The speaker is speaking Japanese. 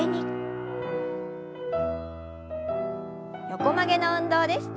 横曲げの運動です。